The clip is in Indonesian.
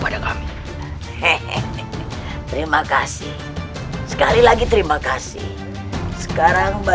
dan ini adalah kebenaranmu